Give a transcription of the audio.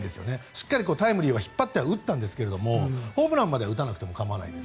しっかりタイムリーを引っ張って打ったんですがホームランまでは打たなくても構わない。